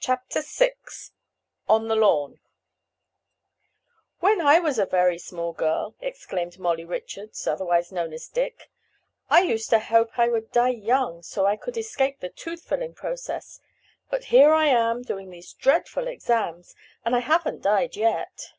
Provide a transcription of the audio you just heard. CHAPTER VI ON THE LAWN "When I was a very small girl," exclaimed Mollie Richards, otherwise known as Dick, "I used to hope I would die young so I could escape the tooth filling process, but here I am, doing these dreadful exams, and I haven't died yet."